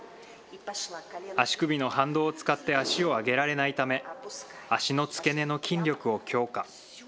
足首の反動を使って足をあげられないため、足の付け根の筋力を強化。